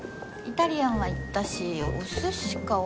イタリアンは行ったしお寿司かお肉か。